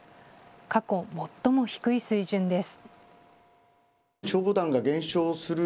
過去、最も低い水準です。